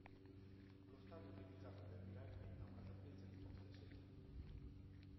Lo stadio utilizzato per il rugby ha una capienza di posti a sedere.